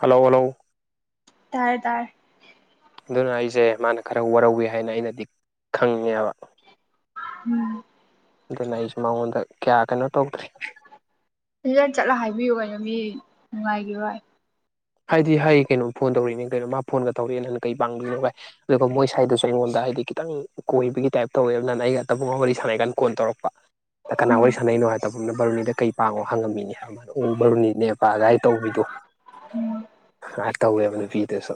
Hello hello ꯇꯔ ꯇꯔ ꯑꯗꯨꯅ ꯑꯩꯁꯦ ꯃꯥꯅ ꯈꯔ ꯋꯥꯔꯧꯏꯤ ꯍꯥꯏꯅ ꯑꯩꯅꯗꯤ ꯈꯪꯉꯦꯕ ꯎꯝ ꯗ ꯅ ꯁꯃꯃꯗ ꯀꯌꯥ ꯀꯩꯅꯩꯅꯣ ꯇ ꯁꯤ ꯆꯠꯂ ꯍꯥꯏꯕꯤꯌꯨ ꯀꯩꯅꯣ ꯃꯤ ꯅꯨꯡꯉꯥꯏꯒꯦꯚꯏ ꯍꯥꯏꯗꯤ ꯍꯥꯏ ꯀꯩꯅꯣꯝ ꯐꯣꯟ ꯇꯧꯔꯛꯏꯅꯦ ꯀꯩꯅꯣ ꯃꯥ ꯐꯣꯟꯒ ꯇꯧꯔꯛꯑꯦ ꯅꯪ ꯀꯩ ꯄꯥꯡꯗꯣꯏꯅꯣꯚ ꯑꯗꯨꯒ ꯃꯣꯏ ꯁꯥꯏꯏꯗꯁꯨ ꯑꯩꯉꯣꯟꯗ ꯍꯥꯏꯗꯤ ꯈꯤꯇꯪ ꯀꯣꯏꯕꯒꯤ ꯇꯥꯏꯞ ꯇꯧꯋꯦꯕ ꯅꯅ ꯑꯩꯒ ꯑꯇꯕꯒ ꯋꯥꯔꯤ ꯁꯥꯟꯅꯩ ꯀꯀꯥꯟ ꯀꯣꯟ ꯇꯧꯔꯛꯄ ꯀꯅꯥ ꯋꯥꯔꯤ ꯁꯥꯟꯅꯅꯣ ꯍꯥꯏꯗꯕꯅ ꯕꯥꯔꯨꯅꯤꯗ ꯀꯩ ꯄꯥꯡꯉꯣ ꯍꯪꯉꯝꯃꯤꯅꯦ ꯍꯥꯏꯕ ꯃꯥꯅ ꯎ ꯕꯥꯔꯨꯅꯤꯅꯦ ꯄꯥꯑꯒꯥꯏ ꯇꯧꯕꯤꯗꯣ ꯍꯥꯏ ꯇ ꯍꯦꯕꯅꯤ ꯄꯤꯗꯦꯁꯣ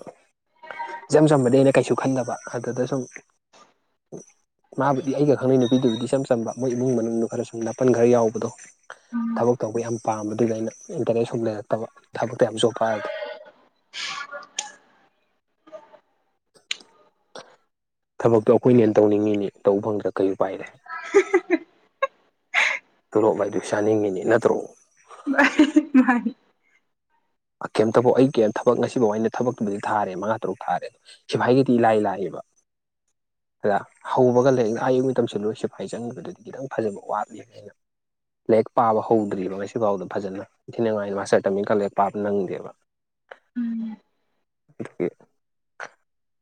ꯏꯆꯝ ꯆꯝꯕꯗꯤ ꯑꯩꯅ ꯀꯩꯁꯨ ꯈꯟꯗꯕ ꯑꯗꯨꯗ ꯁꯨꯝ ꯃꯥꯕꯨꯗꯤ ꯑꯩꯒ ꯈꯪꯅꯩ ꯅꯨꯄꯤꯗꯨꯕꯨꯗꯤ ꯏꯆꯝ ꯆꯝꯕ ꯃꯣꯏ ꯏꯃꯨꯡ ꯃꯅꯨꯡꯗꯨ ꯈꯔ ꯁꯨꯝ ꯅꯥꯄꯜ ꯈꯔ ꯌꯥꯎꯕꯗꯣ ꯊꯕꯛ ꯇꯧꯕ ꯌꯥꯝ ꯄꯥꯝꯕꯗꯨꯗ ꯑꯩꯅ ꯏꯟꯇꯔꯦꯁ ꯁꯨꯝ ꯂꯩꯔꯛꯇꯕ ꯊꯕꯛꯇ ꯌꯥꯝꯁꯨ ꯄꯥꯗꯤ [inaudible] ꯊꯕꯛꯇꯣ ꯑꯩꯈꯣꯏꯅ ꯍꯦꯟꯅ ꯇꯧꯅꯤꯡꯉꯤꯅꯦ ꯇꯧꯕ ꯐꯪꯗ꯭ꯔꯥ ꯀꯩ ꯎ ꯄꯥꯏꯔꯦ ꯊꯂꯣꯞꯚꯗꯨ ꯁꯥꯅꯤꯡꯉꯤꯅꯤ ꯅꯠꯇ꯭ꯔꯣ ꯃꯥ ꯀꯩꯝꯇꯕꯧ ꯑꯩ ꯀꯩꯝꯇ ꯊꯕꯛ ꯉꯁꯤꯐꯥꯎ ꯑꯩꯅ ꯊꯕꯛꯇꯨꯗꯤ ꯊꯥꯔꯦ ꯃꯉꯥ ꯇꯔꯨꯛ ꯊꯥꯔꯦ ꯑꯣ ꯁꯤꯐꯥꯏꯒꯤꯗꯤ ꯏꯂꯥꯏ ꯂꯥꯏꯑꯌꯦꯕ [inaudible] ꯑꯗ ꯍꯧꯕꯒ ꯂꯥꯏꯔꯤꯛ ꯉ ꯑꯌꯨꯛ ꯃꯇꯝꯁꯤꯗ ꯂꯣꯏ ꯁꯤꯐꯥꯏ ꯆꯪꯉꯕꯗꯨꯗꯤ ꯈꯤꯇꯪ ꯐꯖꯕ ꯋꯥꯠꯂꯤꯕ ꯑꯩꯅ ꯂꯥꯏꯔꯤꯛ ꯄꯥꯕ ꯍꯧꯗ꯭ꯔꯤꯕ ꯉꯁꯤꯐꯥꯎꯗ ꯐꯖꯅ ꯏꯊꯤꯅꯉꯥꯏ ꯃꯥꯁꯇꯔ ꯇꯝꯃꯤꯡ ꯀ ꯂꯦꯛ ꯄꯥꯕ ꯅꯪꯗꯦꯕ ꯎꯝ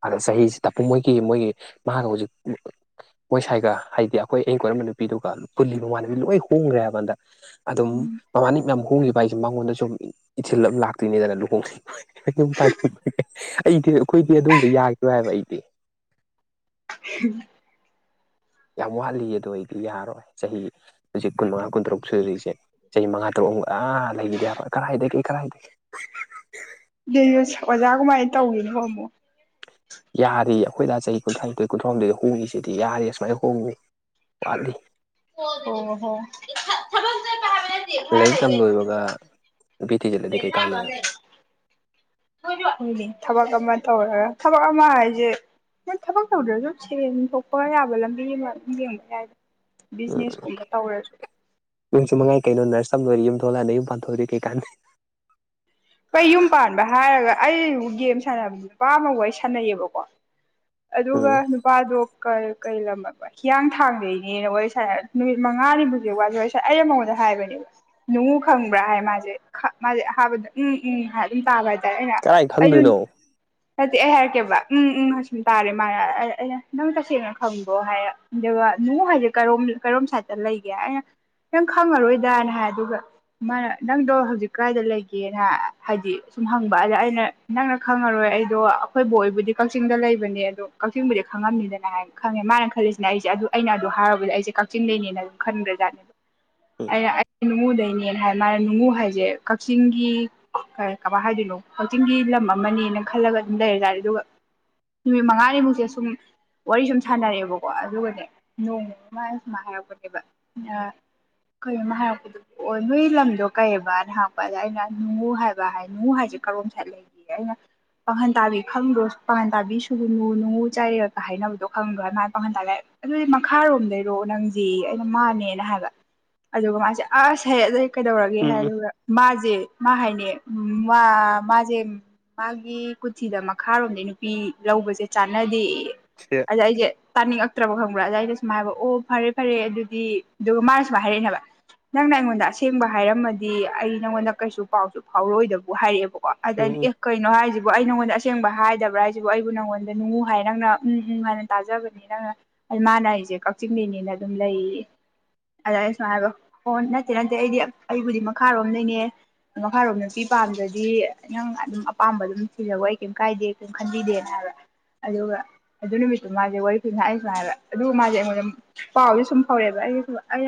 ꯑꯗ ꯆꯍꯤꯁꯤꯗ ꯃꯣꯏꯒꯤ ꯃꯣꯏꯒꯤ ꯃꯥꯒ ꯍꯧꯖꯤꯛ ꯃꯣꯏ ꯁꯥꯏꯒ ꯍꯥꯏꯗꯤ ꯑꯩꯈꯣꯏ ꯑꯤꯡ ꯀꯣꯏꯔꯝꯕ ꯅꯨꯄꯤꯗꯨꯒ ꯄꯨꯜꯂꯤ ꯃꯃꯥꯟꯅꯕꯤ ꯂꯣꯏ ꯍꯣꯡꯈ꯭ꯔꯦ ꯍꯥꯏꯕꯟꯗ ꯑꯗꯨꯝ ꯎꯝ ꯃꯃꯥꯅꯤ ꯃꯌꯥꯝ ꯍꯣꯡꯈꯤꯕ ꯍꯥꯏꯁꯦ ꯃꯉꯣꯟꯗ ꯁꯨꯝ ꯏꯊꯤꯜ ꯑꯃ ꯂꯥꯛꯇꯣꯏꯅꯦꯗꯅ ꯂꯨꯍꯣꯡ ꯑꯩꯗꯤ ꯑꯩꯈꯣꯏꯗꯤꯝ ꯌꯥꯗ ꯍꯥꯏꯕ ꯑꯩꯗꯤ [inaudible] ꯌꯥꯝ ꯋꯥꯠꯂꯤ ꯑꯗꯨꯗ ꯑꯩꯗꯤ ꯌꯥꯔꯣꯏ ꯆꯍꯤ ꯍꯧꯖꯤꯛ ꯀꯨꯟꯃꯉꯥ ꯀꯨꯟꯇꯔꯨꯛ ꯁꯨꯔꯤꯁꯦ ꯆꯍꯤ ꯃꯉꯥ ꯇꯔꯨꯛꯃꯨꯛ ꯑꯥ ꯂꯩꯈꯤꯗꯦ ꯍꯥꯏꯕꯣꯏ ꯀꯗꯥꯥꯏꯗꯒꯤꯦ ꯀꯔꯥꯏꯗꯒꯤ ꯑꯣꯖꯥ ꯀꯃꯥꯏꯅ ꯇꯧꯔꯤꯅꯣ ꯑꯃꯨꯛ ꯌꯥꯔꯤ ꯑꯩꯈꯣꯏꯗ ꯆꯍꯤ ꯀꯨꯟꯊ꯭ꯔꯥ ꯅꯤꯊꯣꯏ ꯀꯨꯟꯊ꯭ꯔꯥꯍꯨꯝꯗꯣꯏꯗ ꯍꯣꯡꯏꯁꯤꯗꯤ ꯌꯥꯔꯤ ꯑꯁꯨꯨꯃꯥꯏꯅ ꯍꯣꯡꯏ ꯑꯣ ꯍꯣ ꯊ ꯂ ꯀ ꯂꯣꯏꯕꯒ ꯅꯨꯄꯤ ꯊꯤꯖꯤꯜꯂꯗꯤ ꯀꯩ ꯀꯥꯟꯗꯣꯏꯅꯣ ꯎ ꯊꯕ ꯀꯃ ꯇꯧꯔ ꯊꯕꯛ ꯑꯃ ꯍꯥꯏꯁꯦ ꯅ ꯊꯕꯛ ꯇꯧꯗ꯭ꯔꯁꯨ ꯁꯦꯔꯦꯡ ꯊꯣꯛꯄ ꯌꯥꯕ ꯂꯝꯕꯤ ꯑꯃ ꯑꯗꯨꯝ ꯌꯦꯡꯕ ꯌꯥꯏ ꯕꯤꯖꯤꯅꯦꯁꯀꯨꯝꯕ ꯇꯧꯔꯁꯨ ꯅꯣꯏꯁꯨ ꯃꯉꯥꯏ ꯀꯩꯅꯣ ꯅꯔꯁ ꯑꯃ ꯂꯣꯏꯔ ꯌꯨꯝ ꯊꯣꯛꯂꯛꯑꯥꯟꯅ ꯌꯨꯝ ꯄꯥꯟꯊꯣꯛꯏꯣꯏ ꯀꯩꯀꯥꯟꯗ ꯑꯩꯩ ꯌꯨꯝ ꯄꯥꯟꯕ ꯍꯥꯏꯔꯒ ꯑꯩꯕꯨ ꯒꯦꯝ ꯁꯥꯟꯅꯕ ꯅꯨꯄꯥ ꯑꯃꯒ ꯑꯩ ꯁꯥꯟꯅꯩꯑꯕꯀꯣ ꯑꯗꯨꯒ ꯎꯝ ꯅꯨꯄꯥꯗꯣ ꯀꯔꯤ ꯂꯝꯂꯕ ꯍꯤꯌꯥꯡꯊꯥꯡꯗꯒꯤꯩꯅꯦꯅ ꯋꯥꯔꯤ ꯁꯥꯏ ꯅꯨꯃꯤꯠ ꯃꯉꯥꯅꯤꯃꯁꯛ ꯋꯥꯁꯦ ꯋꯥꯔꯤ ꯁꯥꯏ ꯑꯩ ꯑꯃꯉꯣꯟꯗ ꯍꯥꯏ ꯍꯥꯏꯕꯅꯦ ꯅꯨꯡꯉꯨ ꯈꯪꯕ꯭ꯔꯥ ꯍꯥꯏ ꯃꯥꯁꯦ ꯃꯥꯁꯦꯕꯗ ꯎꯝ ꯎꯝ ꯑꯗꯨꯝ ꯇꯥꯕ ꯍꯥꯏꯇꯥꯔꯦ ꯑꯩꯅ ꯀꯔꯥꯏ ꯑꯩꯁꯨ ꯈꯪꯗꯣꯏꯅꯣ ꯅꯠꯇꯦ ꯑꯩ ꯍꯥꯏꯔꯛꯀꯦ ꯎꯝ ꯎꯝꯁꯨꯝ ꯇꯥꯔꯦ ꯃꯥꯅ ꯑꯩꯅ ꯅꯪ ꯇꯁꯦꯡꯅ ꯈꯪꯕꯣ ꯍꯥꯏ ꯑꯗꯨꯒ ꯍꯥꯏꯁꯦ ꯝ ꯀꯩꯔꯣꯝ ꯁꯥꯏꯗꯇ ꯂꯩꯒꯦ ꯑꯩꯅ ꯅꯪ ꯈꯪꯉꯔꯣꯏꯗꯥꯅ ꯍꯥꯏ ꯑꯗꯨꯒ ꯃꯥꯅ ꯅꯪꯗꯣ ꯍꯧꯖꯤꯛ ꯀꯥꯏꯗ ꯂꯩ ꯦꯅ ꯍꯥꯏꯗꯤ ꯁꯨꯝ ꯍꯪꯕ ꯑꯗ ꯑꯩꯅ ꯅꯪꯅ ꯈꯪꯉꯔꯣꯏ ꯑꯩꯗꯣ ꯑꯩꯈꯣꯏꯕꯨ ꯑꯣꯏꯕꯨꯗꯤ ꯀꯛꯆꯤꯡꯗ ꯂꯩ ꯂꯩꯕꯅꯦ ꯑꯗꯣ ꯀꯛꯆꯤꯡꯕꯨꯗꯤ ꯈꯪꯉꯝꯅꯤꯗꯅ ꯍꯥꯏ ꯈꯪꯉꯦ ꯃꯥꯅ ꯈꯜꯂꯤꯁꯤꯅ ꯑꯩꯁꯦ ꯑꯗꯨ ꯑꯩꯅ ꯑꯗꯨ ꯍꯥꯏꯔꯨꯕꯗꯤ ꯑꯩꯁꯦ ꯀꯛꯆꯤꯡ ꯂꯩꯅꯤ ꯈꯟꯗ꯭ꯔꯖꯥꯠꯅꯦ ꯎꯝ ꯑꯩꯅ ꯑꯩ ꯅꯨꯡꯉꯨꯗꯩꯅꯦꯅ ꯍꯥꯏ ꯃꯥꯅ ꯅꯨꯡꯉꯨ ꯍꯥꯏꯁꯦ ꯀꯛꯆꯤꯡ ꯀꯛꯆꯤꯡꯒꯤ ꯀꯃꯥꯏ ꯍꯥꯏꯗꯣꯏꯅꯣ ꯀꯛꯆꯤꯡꯒꯤ ꯂꯝ ꯑꯃꯅꯦꯅ ꯈꯜꯂꯒ ꯑꯗꯨꯝ ꯂꯩꯔ ꯇꯥꯔꯦ ꯑꯗꯨꯒ ꯅꯨꯃꯤꯠ ꯃꯉꯥꯅꯤꯃꯨꯛꯁꯦ ꯁꯨꯝ꯫ ꯋꯥꯔꯤ ꯁꯨꯝ ꯁꯥꯟꯅꯔꯛꯑꯦꯕꯀꯣ ꯑꯗꯨꯒꯅꯦ ꯅꯣꯡꯃꯃ ꯁꯨꯃꯥꯏꯅ ꯍꯥꯏꯔꯛꯄꯅꯦꯕ꯫ ꯀꯩꯅꯣꯃ ꯍꯥꯏꯔꯛꯄꯗꯄꯣꯛ ꯑꯣ ꯅꯣꯏ ꯂꯝꯗꯣ ꯀꯩꯑꯕꯅ ꯍꯥꯏ꯫ ꯄꯗ ꯑꯩꯅ ꯅꯨꯡꯉꯨ ꯍꯥꯏꯕ ꯅꯨꯡꯉꯨ ꯍꯥꯏꯁꯦ ꯀꯔꯣꯝꯁꯥꯏ ꯂꯩꯒ ꯑꯩꯅ꯫ ꯄꯥꯡꯈꯟ ꯇꯥꯕꯤ ꯈꯪꯗ꯭ꯔꯣ ꯄꯥꯡꯈꯟ ꯇꯥꯕꯤ ꯁꯨꯅꯨ ꯅꯨꯡꯉꯨ ꯆꯥꯏꯔꯒ ꯍꯥꯏꯅꯕꯗꯣ ꯈꯪꯕ꯭ꯔꯥ ꯃꯥꯥꯏ ꯄꯥꯈꯟ ꯇꯥ ꯑꯗꯨꯗꯤ ꯃꯈꯥꯔꯣꯝꯗꯩꯔꯣ ꯅꯥꯪꯖꯦ ꯑꯩꯅ ꯃꯥꯅꯦꯅ ꯍꯥꯏꯕ ꯑꯗꯨꯒ ꯃꯥꯁꯦ ꯑꯁ ꯍ ꯑꯗꯩꯩ ꯀꯩꯗꯧꯔꯒꯦ ꯍꯥꯏꯔꯦ ꯎꯝ ꯎꯝ ꯑꯗꯨ꯫ ꯃꯥꯖꯦ ꯃ ꯍꯩꯅꯦ ꯃꯥꯖꯦ꯫ ꯃꯥꯒꯤ ꯀꯨꯊꯤꯗ ꯃꯈꯥꯔꯣꯝꯗꯩ ꯅꯨꯄꯤ ꯂꯧꯕꯁꯦ ꯆꯥꯟꯅꯗꯦꯌꯦ꯫ ꯁꯦ ꯑꯗꯩꯩ ꯑꯩꯖꯦ ꯇꯅꯤꯡꯉꯛ ꯇ꯭ꯔꯕ ꯈꯪꯕ꯭ꯔꯥ ꯑꯗꯨꯗꯏꯩꯅ ꯁꯨꯝꯥꯏ ꯍꯥꯏꯕ ꯑꯣ ꯐꯔꯦ ꯐꯔꯦ ꯑꯗꯨꯗꯤ ꯑꯗꯨꯒ ꯃꯥꯅ ꯁꯨꯝ ꯍꯥꯏꯔꯛꯑꯏꯅꯦꯕ꯫ ꯅꯪꯅ ꯑꯩꯉꯣꯟꯗ ꯑꯁꯦꯡꯕ ꯍꯥꯏꯔꯝꯃꯗꯤ ꯑꯩ꯫ ꯅꯪꯉꯣꯟꯗ ꯀꯩꯁꯨ ꯄꯥꯎꯁꯨ ꯐꯥꯎꯔꯣꯏꯗꯕꯨ ꯍꯥꯏꯔꯛꯑꯦꯕꯀꯣ ꯑꯗ ꯎꯝ ꯑꯩꯅ ꯎꯝ ꯑꯦ ꯀꯩꯅꯣ ꯍꯥꯏꯔꯤꯁꯤ꯫ ꯕꯨ ꯑꯩ ꯅꯪꯉꯣꯟꯗ ꯑꯁꯦꯡꯕ ꯍꯥꯏꯗꯕ꯭ꯔꯥ ꯍꯥꯏꯁꯤꯕꯨ ꯑꯩꯕꯨ ꯅꯪꯉꯣꯟꯗ ꯅꯨꯡꯉꯨ ꯍꯥꯏ ꯅꯪꯅ ꯎꯪ ꯎꯪ ꯍꯥꯏꯅ ꯇꯥꯖꯕꯅꯤ ꯅꯪꯅ꯫ ꯑꯩ ꯃꯅ ꯑꯩꯁꯦ ꯀꯛꯆꯤꯡꯗꯒꯤꯅꯤꯅ ꯑꯗꯨꯝ ꯂꯩꯌꯦ꯫ ꯑꯗꯨ ꯑꯩ ꯁꯨꯃꯥꯏ ꯍꯥꯏꯕ ꯑꯣ ꯅꯠꯇꯦ ꯅꯠꯇꯦ ꯑꯩꯗꯤ ꯑꯩꯕꯨꯗꯤ ꯃꯈꯥꯔꯣꯝ ꯂꯩꯅꯤꯌꯦ꯫ ꯃꯈꯥꯔꯣꯝ ꯅꯨꯄꯤ ꯄꯥꯝꯗ꯭ꯔꯗꯤ ꯅꯪ ꯑꯗꯨꯝ ꯑꯄꯥꯝꯕ ꯑꯗꯨꯝ ꯊꯤꯖꯒꯣ ꯑꯩ ꯀꯩꯝ ꯀꯥꯏꯗꯦ ꯀꯩꯝ ꯈꯟꯕꯤꯗꯦꯅ ꯍꯥꯏꯕ꯫ ꯑꯗꯨꯒ ꯑꯗꯨ ꯅꯨꯃꯤꯠꯇꯨ ꯃꯥꯁꯦ ꯋꯥꯔꯤ ꯈꯨ ꯉꯥꯏ ꯁ ꯍꯥꯏꯕ ꯑꯗꯨꯒ ꯃꯥꯁꯦ ꯑꯩꯉꯣꯟꯗ ꯄꯥꯎꯗꯤ ꯁꯨꯝ ꯐꯥꯎꯔꯦꯕ꯫ ꯑꯩ ꯁꯨꯝ ꯑꯩ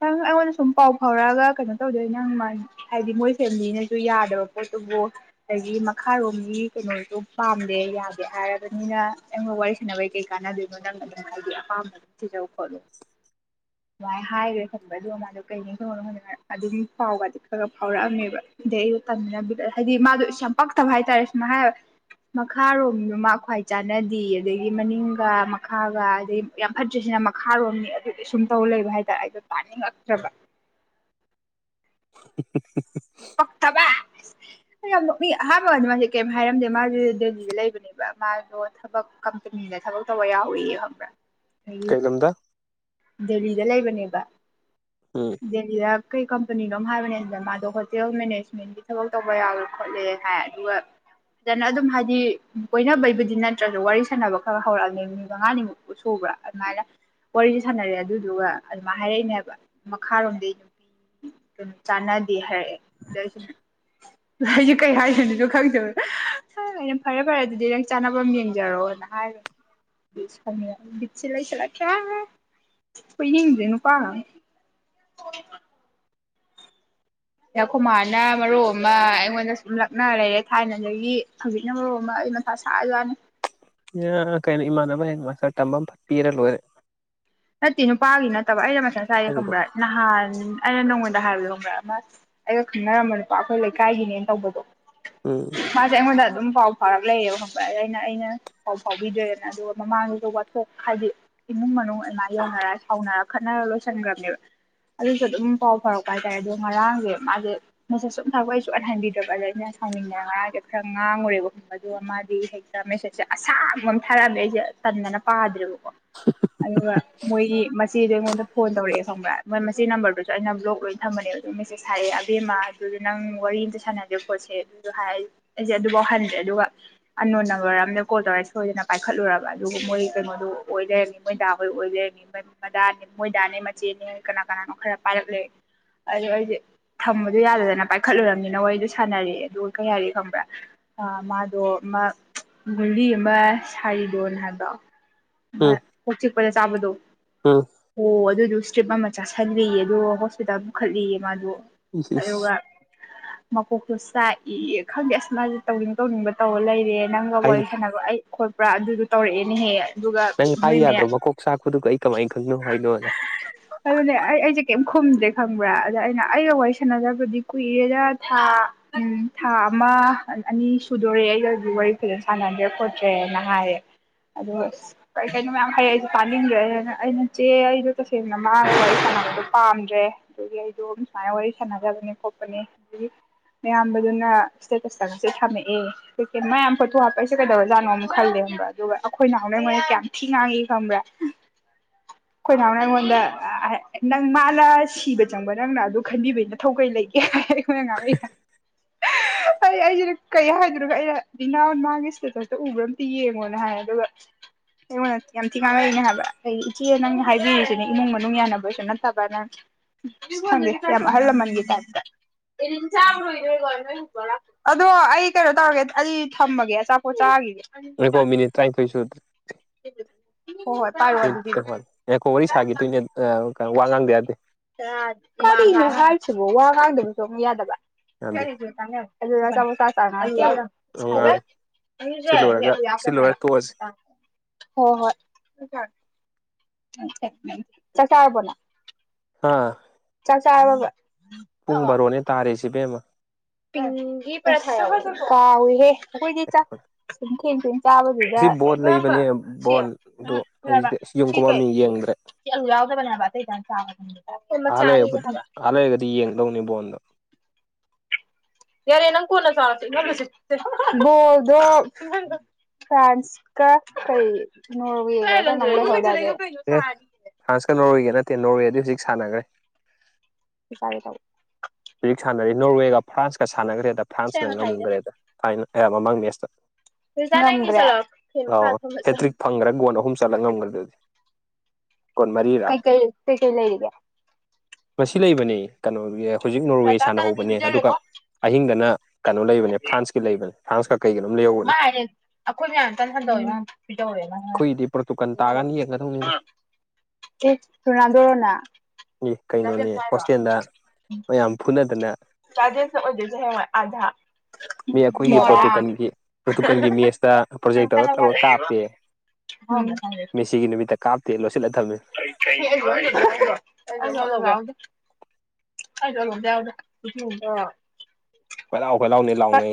ꯅꯪ ꯑꯩꯉꯣꯟꯗ ꯁꯨꯝ ꯄꯥꯎ ꯐꯥꯎꯔꯛꯑꯒ ꯀꯩꯅꯣ ꯇꯧꯗꯣꯏ ꯅꯪ ꯃꯥꯟ꯫ ꯍꯥꯏꯗꯤ ꯃꯣꯏ ꯐꯦꯃꯤꯂꯤꯅꯁꯨ ꯌꯥꯗꯕ ꯄꯣꯠꯇꯨꯕꯨ ꯑꯗꯒꯤ ꯃꯈꯥꯔꯣꯝꯒꯤ ꯀꯩꯅꯣꯁꯨ ꯄꯥꯝ꯫ ꯌꯥꯗꯦ ꯍꯥꯏꯔꯕꯅꯤꯅ ꯅꯡꯒ ꯋꯥꯔꯤ ꯁꯥꯟꯅꯕꯩ ꯀꯩ ꯀꯥꯟꯅꯗꯣꯏꯅꯣ ꯅꯪ ꯑꯗꯨꯝ ꯍꯥꯏꯗꯤ ꯑꯄꯥꯝꯕ ꯑꯗꯨꯝ ꯊꯤꯖꯧ ꯈꯣꯠꯂꯨ꯫ ꯑꯗꯨꯃꯥꯏꯅ ꯍꯥꯏꯈ꯭ꯔꯦ ꯈꯪꯕꯔ꯭ ꯑꯗꯨꯒ ꯃꯥꯗꯣ ꯀꯩꯅꯤ ꯊꯉꯣꯅ ꯃꯥꯗꯣ ꯑꯗꯨꯝ ꯐꯥꯎꯕ ꯑꯗꯨ꯫ ꯈꯔꯥ ꯐꯥꯎꯔꯛꯑꯝꯃꯦꯕ ꯑꯗꯩ ꯑꯩꯗꯣ ꯇꯝꯃꯤꯟꯅꯕꯤꯔ ꯍꯥꯏꯗꯤ ꯃꯥꯗꯣ ꯌꯥꯝ ꯄꯛꯇꯕ ꯍꯥꯏꯇꯥꯔꯦ ꯁꯨꯃ ꯍꯥꯏ꯫ ꯃꯈꯥꯔꯣꯝꯗ ꯃꯥ ꯈ꯭ꯋꯥꯏ ꯆꯥꯟꯅꯗꯦ ꯑꯗꯒꯤ ꯃꯅꯤꯡꯒ ꯃꯈꯥꯒ ꯑꯗꯩ ꯌꯥꯝ ꯐꯠꯇ꯭ꯔꯤꯁꯤ꯫ ꯩꯅ ꯃꯈꯥꯔꯣꯝꯅꯤ ꯑꯗꯨꯗꯤ ꯁꯨꯝ ꯇꯧ ꯂꯩꯕ ꯍꯥꯏꯇꯥꯔꯦ ꯑꯩꯗꯣ ꯇꯥꯅꯤꯡꯉꯛꯇ꯭ꯔꯕ꯫ [unintelligible] ꯄꯥꯛꯇꯕ ꯌꯥꯝ ꯃꯤ ꯑꯍꯥꯟꯕ ꯀꯗ ꯃꯥꯁꯦ ꯀꯩꯝ ꯍꯥꯏꯔꯝꯗꯦ ꯃꯥꯁꯦ ꯗꯦꯜꯂꯤꯗ ꯂꯩꯕꯅꯦꯕ ꯃꯥꯗꯣ ꯊꯕꯛ꯫ ꯇꯨꯃꯤꯟꯅ ꯊꯕꯛ ꯇꯧꯕ ꯌꯥꯎꯔꯤꯌꯦ ꯈꯪꯕ꯭ꯔꯥ꯫ ꯑꯗꯒꯤ ꯀꯩꯂꯝꯗ ꯗꯦꯜꯂꯤꯗ ꯂꯩꯕꯅꯦꯕ ꯎꯝ ꯗꯦꯜꯂꯤꯗ ꯀꯩ ꯀꯝꯄꯅꯤ ꯅꯣꯝ ꯍꯥꯏꯕꯅꯦ ꯑꯗꯨꯅ ꯃꯥꯗꯣ ꯍꯣꯇꯦꯜ ꯃꯦꯅꯦꯖꯃꯦꯟꯒꯤ ꯊꯕꯛ ꯇꯧꯕ ꯌꯥꯎꯋꯦ ꯈꯣꯠꯂꯦ ꯍꯥꯏ ꯑꯗꯨꯒ ꯐꯖꯅ ꯑꯗꯨꯝ ꯍꯥꯏꯗꯤ ꯀꯣꯏꯅꯕꯩꯕꯨꯗꯤ ꯅꯠꯇ꯭ꯔꯁꯨ ꯋꯥꯔꯤ ꯁꯥꯟꯅꯕ ꯈꯔ ꯍꯧꯔꯛꯑꯅꯤ ꯅꯨꯃꯤꯠ ꯃꯉꯥꯅꯤꯃꯛꯁꯨ ꯕ ꯑꯗꯨꯃꯥꯏꯅ ꯋꯥꯔꯤꯁꯦ ꯁꯥꯟꯅꯔꯦ ꯑꯗꯨꯗꯨꯒ ꯑꯗꯨꯃꯥꯏꯅ ꯍꯥꯏꯔꯛꯏꯅꯦꯕ ꯃꯈꯥꯔꯣꯝꯗꯩ ꯅꯨꯄꯤ ꯀꯝ ꯆꯥꯟꯅꯗꯦ ꯍꯥꯏꯔꯛꯑꯦ ꯑꯗꯩꯩ ꯑꯩꯁꯨꯗꯨ ꯑꯩꯁꯨ ꯀꯩ ꯍꯥꯏꯗꯩꯅꯣ ꯈꯪꯗꯕꯗ ꯑꯩꯅ ꯐꯔꯦ ꯐꯔꯦ ꯑꯗꯨꯗꯤ ꯅꯪ ꯆꯥꯅꯕꯝ ꯌꯦꯡꯖꯔꯣ ꯍ ꯅ ꯍꯥꯏ ꯁꯥꯎꯅꯤꯡ ꯕꯤꯠꯁꯦ ꯂꯩꯁꯤꯜ ꯀꯌꯥ ꯀꯣꯏꯅꯤꯡꯗꯔ꯭ꯦ ꯅꯨꯄꯥ ꯑꯃ [unintelligible] ꯈꯨꯨꯃꯥꯅ ꯃꯔꯨ ꯑꯃ ꯑꯩꯉꯣꯟꯗ ꯁꯨꯝ ꯂꯛꯅ ꯂꯩꯔꯦ ꯊꯥꯏꯅꯗꯒꯤ ꯍꯧꯖꯤꯛꯅ ꯃꯔꯨ ꯑꯃ ꯑꯩ ꯃꯊ ꯁꯥꯥꯖꯅꯤ ꯀꯩꯅꯣ ꯏꯃꯥꯟꯅꯕ ꯍꯌꯦꯡ ꯃꯥꯁꯔ ꯇꯝꯕ ꯑꯃ ꯐ ꯄꯤꯔ ꯂꯣꯏꯔꯦ꯫ ꯅꯠꯇꯦ ꯅꯨꯄꯥꯒꯤ ꯅꯠꯇꯕ ꯑꯩꯅ ꯃꯊꯥ ꯆꯥꯏꯒꯦ ꯍꯧꯖꯤꯛꯐꯥꯎ ꯈꯪꯕ꯭ꯔꯥ ꯅꯍꯥꯟ꯫ ꯑꯩꯅ ꯅꯣꯡꯉꯣꯟꯗ ꯍꯥꯏꯕꯗꯣ ꯈꯪꯕꯔꯥ ꯑꯃꯥ ꯑꯩꯒ ꯈꯪꯅꯔꯝꯕ ꯅꯨꯄꯥ ꯑꯩꯈꯣꯏ ꯂꯩꯀꯥꯏꯒꯤꯅꯦꯅ ꯇꯧꯕꯗꯣ꯫ ꯎꯝ ꯃꯥ ꯁꯦ ꯑꯩꯉꯣꯟꯗꯥ ꯑꯗꯨꯝ ꯄꯥꯎ ꯐꯥꯔꯛ ꯂꯩꯑꯕ ꯈ ꯑꯩꯅ ꯑꯩꯅ ꯄꯥꯎ ꯐꯥꯎꯕꯤꯗ꯭ꯔꯦꯅ ꯑꯗꯨꯒ ꯃꯃꯥꯡꯒꯤꯁꯨ ꯋꯥꯆꯦꯞ ꯍꯥꯏꯗꯤ꯫ ꯏꯃꯨꯡ ꯃꯅꯨꯡ ꯑꯗꯨꯃꯥꯏ ꯌꯧꯅꯔ ꯁꯥꯎꯅꯔ ꯈꯠꯅꯔ ꯂꯣꯏꯁꯤꯟꯈ꯭ꯔꯕꯅꯦꯕ꯫ ꯑꯗꯨꯁꯨ ꯑꯗꯨꯝ ꯄꯥꯎ ꯐꯥꯎꯔꯛꯄ ꯍꯥꯏꯇꯥꯔꯦ ꯑꯗꯣ ꯉꯔꯥꯡꯁꯦ ꯃꯥꯁꯦ ꯃꯦꯁꯦꯁ ꯁꯨꯝ ꯊꯕ ꯑꯩꯁꯨꯟꯍꯟꯕꯤꯗ꯭ꯔꯕ ꯑꯗ꯫ ꯁꯥꯎꯅꯤꯡꯗꯅꯥ ꯉꯥꯔꯥꯡꯁꯦ ꯈꯔ ꯉꯥꯡꯉꯨꯔꯦꯕ ꯈꯕꯗ ꯑꯃꯗꯤ ꯍꯩꯛꯇ ꯃꯦꯁꯦꯁꯁꯦ ꯑꯁꯥꯡꯕ ꯑꯃ ꯊꯥꯔꯛꯑꯃꯦ ꯑꯩꯁꯦ꯫ ꯇꯅꯅ ꯄꯥꯗꯔꯕꯀꯣ ꯑꯗꯨꯒꯕ ꯃꯁꯤꯗꯣ ꯑꯩꯉꯣꯟꯗ ꯐꯣꯟ ꯇꯧꯔꯛꯑꯦ ꯈꯪꯕ꯭ꯔꯥ ꯃꯣꯏ ꯃꯁꯤ ꯅꯝꯕꯔꯗꯨꯁꯨ ꯑꯩꯅ ꯕ꯭ꯂꯣꯛ ꯂꯣꯏꯅ ꯊꯝꯕꯅꯦꯕ ꯃꯦꯁꯦꯁ ꯍꯥꯏꯔꯑꯦꯕꯦꯝ ꯁꯁꯦ ꯑꯗꯨꯐ꯭ꯔꯦ ꯅꯝꯕꯔ ꯑꯝꯗ ꯀꯣꯜ ꯇꯧꯔꯦ ꯁꯣꯏꯗꯅ ꯄꯥꯏꯈꯠꯂꯨꯔꯕ ꯑꯗꯨꯒ ꯃꯣꯏ ꯀꯩꯅꯣꯗꯣ ꯑꯣꯏꯗꯔꯅꯤ ꯃꯣꯏ ꯗꯥꯈꯣꯏ ꯑꯣꯏꯗꯔ ꯃꯗꯥꯅꯦ ꯃꯣꯏꯗꯥꯅꯦ ꯃꯆꯦꯅꯤ ꯀꯅꯥ ꯀꯅꯥꯅꯣ ꯈꯔ ꯄꯥꯏꯔꯛꯂꯦ ꯑꯗꯨ ꯑꯩꯁꯦ ꯊꯝꯕꯗꯣ ꯌꯥꯗꯗꯅ ꯄꯥꯏꯈꯠꯂꯨꯨꯔꯔꯕꯅꯤꯅ ꯋꯥꯔꯤꯗꯣ ꯁꯥꯟꯅꯔꯑꯦ ꯑꯗꯨ ꯀꯩ ꯍꯥꯏꯔꯤ ꯈꯪꯕ꯭ꯔꯥ ꯑ ꯃꯥꯗꯣ ꯒꯨꯂꯤ ꯑꯃ ꯁꯥꯔꯤꯗꯣꯅ ꯍꯥꯏꯕ ꯎꯝ ꯀꯣꯛ ꯆꯤꯛꯄꯗ ꯆꯥꯕꯗꯣ ꯎꯝ ꯑꯣ ꯑꯗꯨ ꯑꯗꯨ ꯏꯁꯇ꯭ꯔꯤꯞ ꯑꯃ ꯆꯥꯁꯤꯜꯂꯤꯌꯦ ꯑꯗꯣ ꯍꯣꯁꯄꯤꯇꯥꯜ ꯄꯨꯈꯠꯂꯤꯌꯦ ꯃꯥꯗꯣ ꯁ ꯃꯀꯣꯛꯇꯨ ꯆꯥꯛꯏ ꯈꯪꯗꯦ ꯑꯁ ꯃꯥꯁꯦ ꯇꯧꯅꯤꯡ ꯇꯧꯅꯤꯡꯕ ꯇꯧꯕꯔ ꯂꯩꯔꯦ ꯅꯪꯒ ꯍꯥꯏ ꯋꯥꯔꯤ ꯁꯥꯟꯅꯕꯣ ꯑꯩ ꯈꯣꯠꯄ꯭ꯔꯥ ꯑꯗꯨꯗꯣ ꯇꯧꯔꯛꯑꯦꯅꯦ ꯍꯦꯛ ꯅꯪ ꯍꯥꯏ ꯌꯥꯗ꯭ꯔꯣ ꯃꯀꯣꯛ ꯆꯥꯛꯄꯗꯨꯒ ꯑꯩ ꯀꯃꯥꯏꯅ ꯈꯪꯅꯣ ꯍꯥꯏꯅꯣꯖ ꯑꯗꯨꯅꯦ ꯑꯩ ꯑꯩꯁꯦ ꯀꯩꯝ ꯈꯨꯝꯗ꯭ꯔꯦ ꯈꯪꯕ꯭ꯔꯥ ꯑꯗ ꯑꯩꯅ ꯑꯩꯒ ꯋꯥꯔꯤ ꯁꯥꯟꯅꯖꯕꯗꯤ ꯀꯨꯏꯔꯦꯗ ꯊꯥ ꯎꯝ ꯊꯥ ꯑꯃ ꯑꯅꯤ ꯁꯨꯗꯣꯔꯦ ꯑꯩꯗ ꯑꯩꯕꯨ ꯋꯥꯔꯤ ꯐꯖꯅ ꯁꯥꯟꯅꯗ꯭ꯔꯦ ꯈꯣꯠꯇ꯭ꯔꯦꯅ ꯍꯥꯏꯔꯦ ꯑ ꯀꯩ ꯀꯩꯅꯣ ꯃꯌꯥꯝ ꯍꯩ ꯑꯩꯁꯨ ꯄꯥꯅꯤꯡꯗ꯭ꯔꯦ ꯑꯩꯅ ꯆꯦ ꯑꯩꯗꯣ ꯇꯁꯦꯡꯅ ꯃꯥꯒ ꯋꯥꯔꯤ ꯁꯥꯟꯅꯕꯗꯣ ꯄꯥꯝꯗ꯭ꯔꯦ ꯑꯗꯨꯒꯤ ꯑꯩꯗꯣ ꯁꯨꯃꯥꯏꯅ ꯋꯥꯔꯤ ꯁꯥꯟꯅꯕꯒꯗ ꯌꯥꯗꯅꯤ ꯐꯣꯄꯅꯦ ꯃꯌꯥꯝꯕꯗꯨꯅ ꯏꯁꯇꯦꯇꯁꯇꯕꯁꯦ ꯊꯝꯃꯛꯑꯦ ꯀꯀ ꯃꯌꯥꯝ ꯐꯣꯇꯣ ꯍꯥꯞꯄ ꯑꯩꯁꯦ ꯀꯩꯗꯧꯔꯖꯥꯠꯅꯣ ꯈꯜꯂꯦ ꯈꯪꯕ꯭ꯔ ꯑꯗꯨꯒ ꯑꯩꯈꯣꯏ ꯅꯍꯥꯟꯅꯩꯉꯣꯏꯅ ꯀꯌꯥꯝ ꯊꯤ ꯉꯥꯡꯉꯤ ꯈꯪꯕ꯭ꯔꯥ [unintelligible] ꯑꯩꯈꯣꯏ ꯅꯅꯥꯎꯅ ꯑꯩꯉꯣꯟꯗ ꯅꯪ ꯃꯥꯅ ꯁꯤꯕ ꯆꯪꯕ ꯅꯪꯅ ꯑꯗꯨ ꯈꯟꯕꯤꯕꯒꯤ ꯃꯊꯧ ꯀꯩ ꯂꯩꯒꯦ ꯈꯣꯏ ꯉꯥꯏ ꯑꯩ ꯑꯩꯁꯤꯅ ꯀꯩ ꯍꯥꯏꯗꯔꯒ ꯑꯩꯅ ꯕꯤꯅꯥꯎ ꯃꯥꯒꯤ ꯏꯁꯇꯦꯇꯁꯇ ꯎꯕ꯭ꯔꯥꯝ ꯌꯦꯡꯉꯣꯅ ꯍꯥꯏ ꯑꯗꯨꯒ ꯑꯩꯉꯣꯟꯗ ꯌꯥꯝ ꯊꯤ ꯉꯥꯡꯅꯛꯏꯅꯦ ꯍꯥꯏꯕ ꯑꯩ ꯏꯆꯦ ꯅꯪ ꯍꯥꯏꯕꯤꯔꯤꯁꯤꯅꯦ ꯏꯃꯨꯡ ꯃꯅꯨꯡ ꯌꯥꯅꯕꯁꯨ ꯅꯠꯇꯕ ꯅꯪ ꯍꯪꯦ ꯔ ꯍꯜꯂ ꯃꯟꯒꯤ ꯇꯥꯏꯗ ꯑꯗꯣ ꯑꯩ ꯀꯩꯅꯣ ꯇꯧꯔꯒꯦ ꯑꯩ ꯊꯝꯃꯒꯦ ꯑꯆꯥꯄꯣꯠ ꯆꯥꯒꯤꯗꯤ ꯑꯩꯀꯣ ꯃꯤꯅꯤꯠ ꯇꯥꯏ ꯀꯣꯏ ꯁ ꯍ ꯅꯨꯠ ꯈꯤꯇꯪꯅꯤ ꯑꯦꯈꯣꯏ ꯋꯥꯔꯤ ꯁꯥꯈꯤꯦ ꯇꯣꯏꯅꯦ ꯋꯥ ꯉꯥꯡꯗꯦ ꯌꯥꯗꯦ ꯍꯥꯏꯁꯤꯕꯨ ꯋꯥ ꯉꯥꯡꯗ ꯆꯣꯡꯕ ꯌꯥꯗꯕ ꯌꯥꯗꯦ ꯑꯗꯨ ꯑꯗꯨ ꯆꯣꯁ ꯁꯉ ꯖ ꯉꯥꯡ ꯁꯤ ꯂꯣꯏꯔꯒ ꯁꯤ ꯀꯔ ꯂꯣꯏꯔ ꯇꯣꯛꯑꯁꯤ ꯍꯣꯏ ꯍꯣꯏ ꯆꯥꯛꯀꯥꯔꯕꯣꯅ ꯑꯥ ꯆꯥꯛ ꯆꯥꯕꯥ ꯄꯨꯡ ꯕꯥꯔꯣꯅꯦ ꯇꯥꯔꯦꯁꯤꯕꯦꯝꯃ ꯀꯍꯦꯣꯏ ꯆ ꯆ ꯆꯥꯕꯗꯨꯗ ꯉꯁꯤ ꯕꯣꯜ ꯈꯔꯝꯕ ꯂꯩꯕꯅꯦ ꯁꯤ ꯕꯣꯜ ꯑꯗꯨ ꯈꯔ ꯑꯩꯁꯦ ꯌꯨꯝ ꯁꯤ ꯀꯩ ꯀꯨꯝꯃꯝꯅꯤ ꯌꯦꯡꯗ꯭ꯔꯦ ꯆꯠꯂꯨꯎꯗꯕꯅꯦꯕ ꯑꯇꯩꯗꯪ ꯆꯥꯕꯗꯦ ꯑꯍ ꯂꯩꯗꯤ ꯑꯜ ꯂꯩꯔꯒꯗꯤ ꯌꯦꯡꯗꯧꯅꯤ ꯕꯣꯟꯗ ꯌꯥꯔꯦ ꯅꯪ ꯀꯅ ꯆꯦꯣ ꯐ꯭ꯔꯥꯟꯁ ꯀ ꯀꯩꯣ ꯑꯦ ꯐ꯭ꯔꯥꯟꯁꯀ ꯅꯣꯔꯋꯦꯒ ꯅꯠꯇꯦ ꯅꯣꯔꯋꯦꯗꯤ ꯍꯧꯖꯤꯛ ꯁꯥꯟꯅꯈ꯭ꯔꯦ ꯇꯥꯏꯦ ꯇ ꯍꯧꯖꯤꯛ ꯁꯥꯟꯅꯔꯤ ꯅꯣꯔꯋꯦꯒ ꯐ꯭ꯔꯥꯟꯁꯀ ꯁꯥꯟꯅꯈ꯭ꯔꯦꯗ ꯁꯦꯝ ꯐ꯭ꯔꯥꯟꯁꯅ ꯃꯈꯥꯏꯗ ꯉꯝꯈ꯭ꯔꯦꯗ ꯊꯥꯏꯅ ꯑꯌꯥꯝ ꯃꯃꯥꯡꯅꯦꯁꯇ ꯔꯤꯖꯥ ꯅꯪ ꯏꯁꯜꯂꯛꯑꯣ ꯐꯦꯟ ꯑ ꯃꯈꯥꯗ ꯐꯝꯃ ꯆꯥꯕ ꯍꯦꯇ꯭ꯔꯤꯛ ꯐꯪꯈ꯭ꯔꯥ ꯒꯣꯟ ꯑꯍꯨꯝ ꯆꯂꯉ ꯎꯒꯗꯗꯤ ꯀꯩ ꯀꯜ ꯀꯩ ꯀꯦꯜ ꯂꯩꯒ ꯃꯁꯤ ꯂꯩꯕꯅꯤ ꯀꯩꯅꯣꯗꯨꯒꯤ ꯍꯧꯖꯤꯛ ꯅꯣꯔꯋꯦ ꯔꯇꯥꯇꯥ ꯑꯅꯤ ꯁꯥꯟꯅꯍꯧꯕꯅꯦ ꯑꯗꯨꯒ ꯄꯤꯖꯔꯦꯀꯣ ꯑꯍꯤꯡꯗꯅ ꯀꯩꯅꯣ ꯂꯩꯕꯅꯦ ꯐ꯭ꯔꯥꯟꯁꯀꯤ ꯂꯩꯕꯅꯦ ꯐ꯭ꯔꯥꯟꯁꯀꯛ ꯃꯥꯌꯦ ꯑꯩꯈꯣꯏ ꯃꯌꯥꯝꯇꯅ ꯍꯟꯗꯧꯋꯤ ꯃꯌꯥꯝ ꯄꯤꯗꯧꯋꯦ ꯃꯥ ꯑꯩꯈꯣꯏꯒꯤꯗꯤ ꯄꯣꯔꯇꯨꯒꯜ ꯇꯥꯔꯀꯥꯟꯗ ꯌꯦꯡꯒꯗꯧꯅꯤꯗ ꯎꯝ ꯁꯨꯅꯥ ꯗꯣꯔꯣꯅꯥ ꯑꯦ ꯄꯨꯅꯗꯅ ꯇꯥꯖꯦ ꯑꯣꯏꯖꯤꯦꯁ ꯍꯦ ꯑꯙꯥ ꯃꯤ ꯑꯩꯈꯣꯏꯒꯤ ꯄ꯭ꯔꯣꯇꯨꯀꯟꯒꯤ ꯄ꯭ꯔꯣꯇꯨꯀꯟꯒꯤ ꯃꯦꯁꯇ ꯄ꯭ꯔꯣꯖꯦꯛ ꯇꯧꯔ ꯇꯧꯔꯒ ꯀꯥꯞꯄꯦ ꯃꯦꯁꯤꯒꯤ ꯅꯨꯃꯤꯠꯇ ꯀꯥꯞ [unintelligible] ꯑ ꯆꯜ ꯍꯗ ꯍ ꯐꯂꯑꯣ ꯐꯦꯂꯥꯎꯅꯤ ꯂꯥꯎꯅ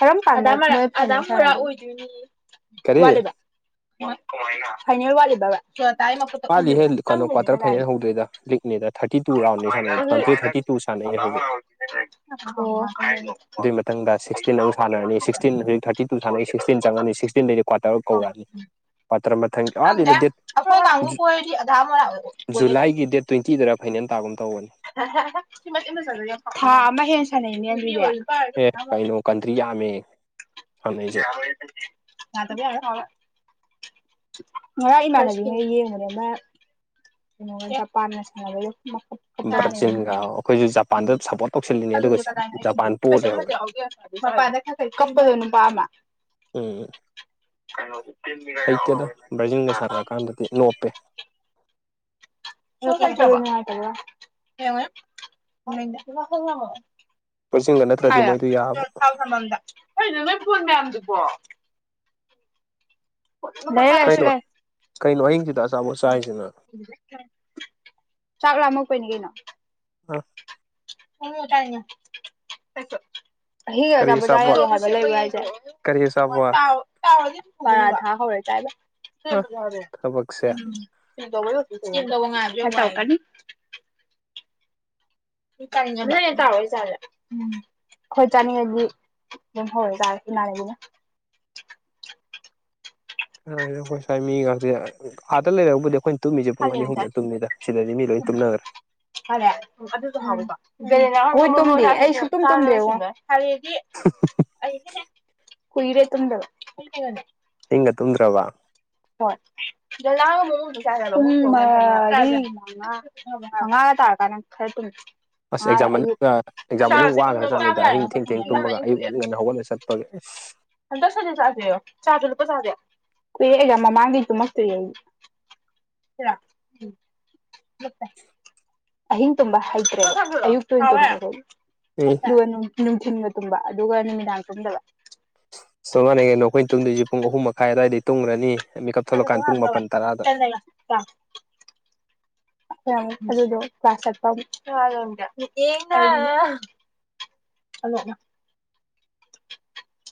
ꯊꯔꯝ ꯄꯥꯗꯥꯥꯔꯥ ꯑꯣꯏꯗꯣꯏꯅꯤ ꯀꯔꯤ ꯐꯩꯅꯜ ꯋꯥꯂꯤꯕꯕ ꯇꯄ ꯋꯥꯠꯂꯤꯍꯦ ꯎꯗꯗꯥ ꯆꯪ ꯀꯩꯅꯣ ꯀ꯭ꯋꯥꯇꯔ ꯐꯥꯏꯅꯦꯜ ꯍꯧꯗꯣꯏꯗ ꯂꯤꯛꯅꯤꯗ ꯊꯥꯔꯇꯤ ꯇꯨ ꯔꯥꯎꯟꯅꯤ ꯁꯥꯟꯅꯩ ꯀꯟꯇ꯭ꯔꯤ ꯊꯥꯔꯇꯤ ꯇꯨ ꯁꯥꯟꯅꯩꯅꯦ ꯍꯧꯖꯤꯛ ꯑꯗꯨꯏ ꯃꯊꯪꯗ [unintelligible] ꯁꯤꯛꯁꯇꯤꯟ ꯑꯃꯨ ꯁꯥꯟꯅꯔꯅꯤ ꯁꯤꯛꯁꯇꯤꯟ ꯍꯧꯖꯤꯛ ꯊꯥꯔꯇꯤ ꯇꯨ ꯁꯥꯟꯅꯩ ꯁꯤꯛꯁꯇꯤꯟ ꯆꯪꯉꯅꯤ ꯁꯤꯛꯁꯇꯤꯟꯗꯩ ꯀ꯭ꯋꯥꯇꯔꯛ ꯀꯧꯛꯑꯅꯤ ꯔꯝꯕ ꯊꯪ ꯂꯤꯗ ꯗꯦꯠ ꯁꯥꯡꯨ ꯀꯣꯦꯥ ꯃꯅ ꯀ ꯖꯨꯂꯥꯏꯒꯤ ꯗꯦꯠ ꯇ꯭ꯋꯦꯟꯇꯤꯗꯔ ꯐꯥꯏꯅꯦꯜ ꯇꯥꯒꯨꯝ ꯇꯧꯕꯅꯦ ꯍꯥ ꯑꯃ ꯍꯦ ꯁꯥꯟꯅꯩꯅꯦ ꯑꯗꯨꯗꯤ ꯑꯦ ꯀꯩꯅꯣ ꯀꯟꯇ꯭ꯔꯤ ꯌꯥꯝꯃꯦ ꯁꯥꯟꯅꯩꯁꯦ ꯃꯥꯇꯗꯤ ꯌꯥ ꯉ ꯏꯃꯥꯅꯕꯤ ꯍꯥꯏ ꯌꯦ ꯃꯅꯦ ꯃ ꯆ ꯄ ꯦ ꯕ꯭ꯔꯥꯖꯤꯜꯒ ꯑꯩꯈꯣꯏꯁꯨ ꯖꯄꯥꯟꯗ ꯎ ꯁꯞꯄꯣꯔꯠ ꯇꯧꯁꯤꯜꯂꯤꯅꯦ ꯑꯗꯨꯒ ꯑꯗꯨꯗꯤ ꯀꯗꯥꯏꯅꯦ ꯍꯥꯏꯒꯦ ꯖꯄꯥꯟ ꯄꯣ ꯀꯩꯁꯨ ꯂꯩꯍꯧꯔꯦ ꯑꯃꯠꯇ ꯌꯥꯎꯒꯦꯗꯤ ꯐꯔꯦ ꯃ ꯀꯝꯝꯕꯜ ꯍꯕꯃ ꯎꯝ ꯇꯤꯟ ꯃꯅꯒꯕ ꯍꯩꯇꯦꯗ ꯕ꯭ꯔꯥꯖꯤꯜꯒ ꯊ ꯊ ꯁꯥꯟꯅꯔꯀꯥꯟꯗꯗꯤ ꯅꯣꯞꯄꯦ ꯦ ꯕ꯭ꯔꯥꯖꯤꯜꯒ ꯅꯠꯇ꯭ꯔꯗꯤ ꯃꯣꯏꯗꯨ ꯌꯥꯕ ꯊꯥꯎ ꯊꯅꯗꯅ ꯐꯗꯥꯗꯨꯀꯣ ꯀꯩꯅꯣ ꯁꯂ ꯀꯩꯅꯣ ꯑꯍꯤꯡꯁꯤꯗ ꯑꯆꯥꯄꯣꯠ ꯆꯥꯏꯁꯤꯅ ꯆꯥꯛ ꯂꯥꯝꯃꯛꯄꯣꯏꯅꯤ ꯀꯩꯅꯣ ꯑ ꯎꯝ ꯀꯅꯣꯁꯨꯣ ꯍꯤꯕ ꯀꯔꯤ ꯑꯆꯥꯄꯣꯠ ꯇ ꯍꯥꯏꯕ ꯀꯔꯤ ꯑꯆꯥꯄꯣꯠ ꯂꯩ ꯌꯥꯦ ꯄ ꯑ ꯊ ꯊꯕꯛꯁꯦ ꯍꯦ ꯇꯥꯏꯕ ꯁꯤꯗꯕ ꯁꯤꯗꯕꯦ ꯇꯥꯎꯀꯅꯤ ꯀ ꯊꯕꯣꯏ ꯆꯂ ꯎꯝ ꯑꯩꯈꯣꯏ ꯆꯥꯅꯤꯡꯉꯥꯏꯒꯤ ꯑꯗꯨꯝ ꯍꯧꯔꯦꯇꯥꯥꯔꯦ ꯏꯃꯥꯅꯒꯤꯅ [unintelligible] ꯀꯣꯏꯁ ꯃꯤ ꯑꯥꯗ ꯂꯩꯔꯛꯕꯨꯗꯤ ꯑꯩꯈꯣꯏ ꯇꯨꯝꯃꯤꯁꯦ ꯄꯨꯡ ꯍꯜꯂꯦꯕ ꯆꯥꯔꯦ ꯑꯅꯤꯍꯨꯝꯂ ꯇꯨꯝꯃꯤꯗ ꯁꯤꯗꯗꯤ ꯃꯤ ꯂꯣꯏ ꯇꯨꯝꯅꯈ꯭ꯔꯦ ꯑꯩꯁꯨꯗ ꯀꯨꯏꯔꯦꯠꯇꯗ ꯏꯒ ꯇꯨꯝꯗ꯭ꯔꯕ ꯍ ꯂꯁꯥ ꯇꯥ ꯀꯥꯟꯅ ꯈꯔꯦ ꯑꯁ ꯑꯦꯛꯖꯥꯝ ꯃꯅꯨꯡ ꯑꯦꯛꯖꯥꯝ ꯃꯅꯨꯡ ꯋꯥꯈ꯭ꯔꯖꯠꯅꯤꯗ ꯑꯍꯤꯡ ꯊꯦꯡ ꯊꯦꯡ ꯇꯨꯝꯃꯒ ꯑꯌꯨꯛ ꯉꯟ ꯉꯟꯅ ꯍꯧꯒꯠꯂ ꯆꯠꯄꯒꯦ [unintelligible] ꯆꯗꯤ ꯆꯥꯗꯣꯏꯣ ꯆꯥꯁꯨ ꯂꯨꯄꯥ ꯆꯥꯗꯦ ꯀꯨꯏ ꯑꯩꯒ ꯃꯃꯥꯡꯗꯒꯤ ꯇꯨꯝꯃꯛꯇꯣꯏꯌꯦ ꯑꯩ ꯔ ꯑꯍꯤꯡ ꯇꯨꯝꯝꯕ ꯍꯩꯇ꯭ꯔꯦ ꯑꯌꯨꯛꯇ ꯑꯦ ꯑꯗꯨꯒ ꯅꯨꯡꯊꯤꯤꯟꯒ ꯇꯨꯝꯕ ꯑꯗꯨꯒ ꯅꯨꯃꯤꯗꯥꯡ ꯇꯨꯝꯗꯕ ꯁꯣꯉꯥꯟꯅ ꯀꯩꯅꯣ ꯑꯩꯈꯣꯏꯅ ꯇꯨꯝꯗꯣꯏꯁꯤꯦ ꯄꯨꯡ ꯑꯍꯨꯝ ꯃꯈꯥꯏ ꯑ ꯑꯗꯨꯋꯥꯏꯗꯒꯤ ꯇꯨꯝꯈ꯭ꯔꯅꯤ ꯃꯤꯀꯞ ꯊꯣꯛꯂꯀꯥꯟ ꯄꯨꯡ ꯃꯥꯄꯜ ꯇꯔꯥꯗ ꯑ ꯑꯗꯨꯗꯣ ꯀ꯭ꯂꯥꯁꯄ ꯍꯂꯅ [unintelligible]